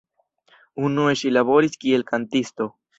Unue ŝi laboris kiel kantisto.